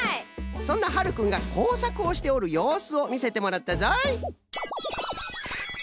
そんなはるくんがこうさくをしておるようすをみせてもらったぞい。